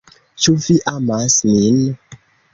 Ĉu vi amas min?